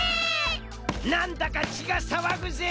なんだかちがさわぐぜ！